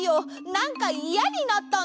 なんかいやになったんだ！